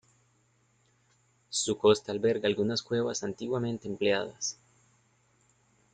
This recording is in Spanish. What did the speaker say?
Su costa alberga algunas cuevas antiguamente empleadas.